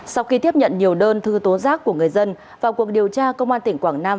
sau khi tiếp nhận nhiều đơn thư tố giác của người dân vào cuộc điều tra công an tỉnh quảng nam